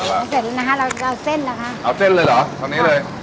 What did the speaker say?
เอาเสร็จแล้วนะคะเราเอาเส้นแล้วค่ะเอาเส้นเลยเหรอตรงนี้เลย